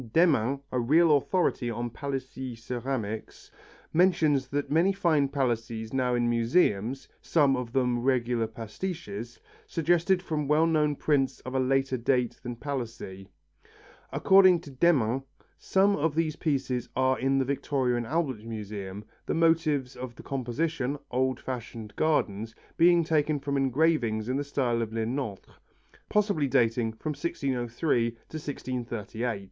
Demmin, a real authority on Palissy ceramics, mentions many false Palissys now in museums, some of them regular pastiches, suggested from well known prints of a later date than Palissy. According to Demmin, some of these pieces are in the Victoria and Albert Museum, the motives of the composition, old fashioned gardens, being taken from engravings in the style of Lenotre, possibly dating between 1603 and 1638.